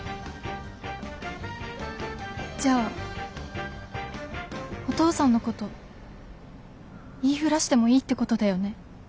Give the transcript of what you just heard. じゃあお父さんのこと言いふらしてもいいってことだよね？